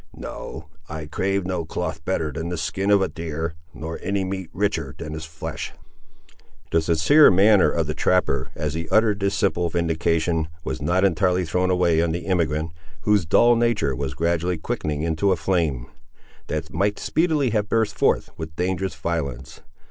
No, I crave no cloth better than the skin of a deer, nor any meat richer than his flesh." The sincere manner of the trapper, as he uttered this simple vindication, was not entirely thrown away on the emigrant, whose dull nature was gradually quickening into a flame, that might speedily have burst forth with dangerous violence.